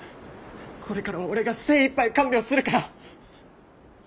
これからは俺が精いっぱい看病するから。